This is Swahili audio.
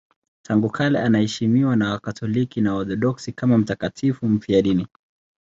Tangu kale anaheshimiwa na Wakatoliki na Waorthodoksi kama mtakatifu mfiadini.